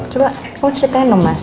coba kamu ceritain dong mas